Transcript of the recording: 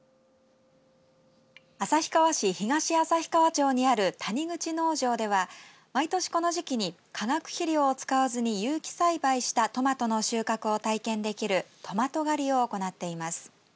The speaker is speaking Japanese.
旭川市東旭川町にある谷口農場では毎年この時期に化学肥料を使わずに有機栽培したトマトの収穫を体験できるトマト狩りを行っています。